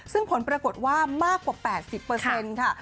ซึ่งผลปรากฏว่ามากกว่า๘๐ค่ะ